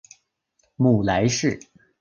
母雷氏。